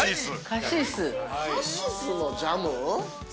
◆カシスのジャム？